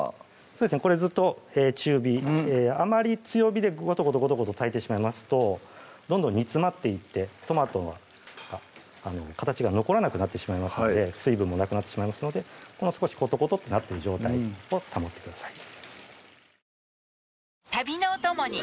そうですねこれずっと中火あまり強火でゴトゴトゴトゴト炊いてしまいますとどんどん煮詰まっていってトマトの形が残らなくなってしまいますので水分もなくなってしまいますので少しコトコトとなってる状態を保ってください